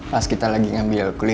makasih ya mbak andin